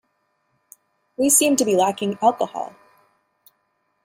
We seem to be lacking alcohol.